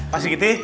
pak sri kiti